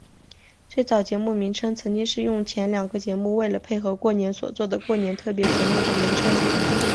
最早节目名称曾经是用前两个节目为了配合过年所做的过年特别节目的名称。